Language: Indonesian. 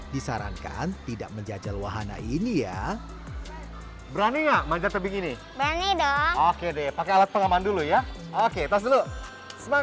disarankan tidak menjajal wahana ini ya berani gak manjat tebing ini berani dong oke deh pakai alat pengaman dulu ya oke tas dulu semangat tinggal pakai helm ya mbak